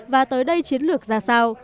và tới đây chiến lược ra sao